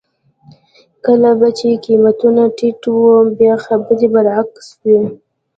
کله به چې قېمتونه ټیټ وو بیا خبره برعکس وه.